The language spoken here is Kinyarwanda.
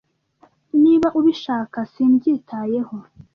niba ubishaka simbyitayeho